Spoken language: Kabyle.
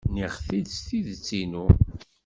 Nniɣ-t-id s tidet-inu.